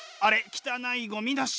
汚いゴミだし！